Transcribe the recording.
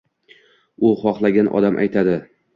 U xohlagan odam aytadi.